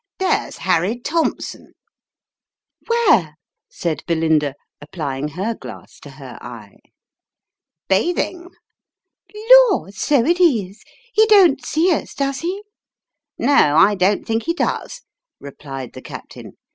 " There's Harry Thompson !"" Where ?" said Belinda, applying her glass to her eye. " Bathing." " Lor, so it is ! He don't see us, does he ?"" No, I don't think he does," replied the captain.